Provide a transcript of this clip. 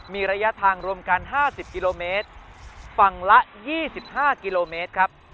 มีระยะทางรวมกัน๕๐กิโลเมตรฝั่งละ๒๕กิโลเมตรครับ